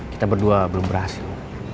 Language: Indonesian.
kita berdua belum berhasil